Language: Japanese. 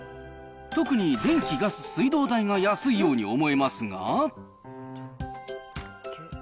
特に電気、ガス、水道代が安いように思えますが。